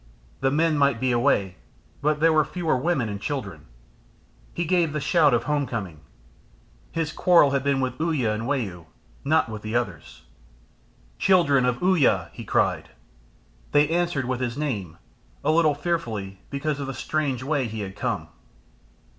The men might be away, but there were fewer women and children. He gave the shout of home coming. His quarrel had been with Uya and Wau not with the others. "Children of Uya!" he cried. They answered with his name, a little fearfully because of the strange way he had come.